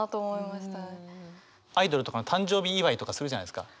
アイドルとかの誕生日祝いとかするじゃないですか。